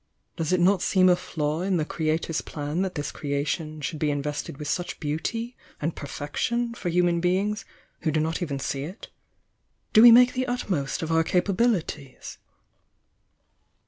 Does it not seem a flaw in the Creator's plan that this creation should be invested with such beauty and perfection for human beings who do not even see it? Do we make the utmost of our capabilities?"